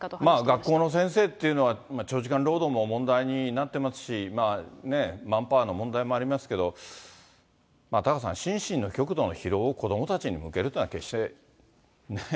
学校の先生っていうのは、長時間労働も問題になってますし、マンパワーの問題もありますけど、タカさん、心身の極度の疲労を子どもたちに向けるっていうのは決して、ねえ。